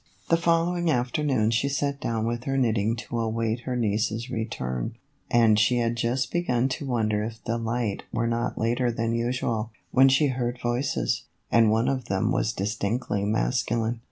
The following afternoon she sat down with her knitting to await her niece's return, and she had just begun to wonder if Delight were not later than usual, when she heard voices, and one of them was distinctly masculine.